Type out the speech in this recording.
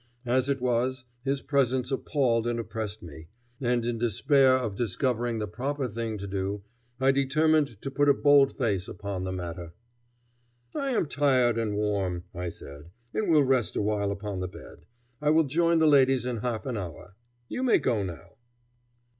As it was, his presence appalled and oppressed me, and in despair of discovering the proper thing to do, I determined to put a bold face upon the matter. "I am tired and warm," I said, "and will rest awhile upon the bed. I will join the ladies in half an hour. You may go now."